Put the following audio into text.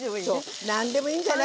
何でもいいんじゃない。